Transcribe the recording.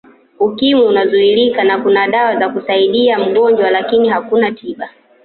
Ukimwi unazuilika na kuna dawa za kusaidia mgojwa lakini hauna tiba